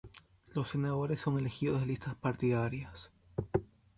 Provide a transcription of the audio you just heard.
Los senadores son elegidos de listas partidarias.